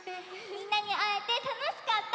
みんなにあえてたのしかった！